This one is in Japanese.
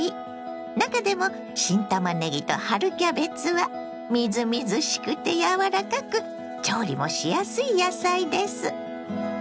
中でも新たまねぎと春キャベツはみずみずしくて柔らかく調理もしやすい野菜です。